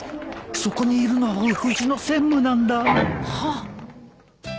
そこにいるのうちの専務なんだ。